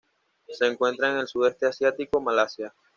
Se encuentra en el Sudeste asiático: Malasia.